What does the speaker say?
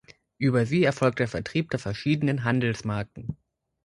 Über sie erfolgt der Vertrieb der verschiedenen Handelsmarken.